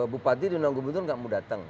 bupati di undang undang gubernur gak mau datang